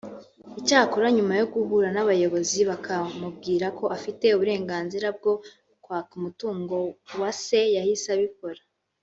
Icyakora nyuma yo guhura n’abayobozi bakamubwira ko afite uburenganzira bwo kwaka umutungo wa se yahise abikora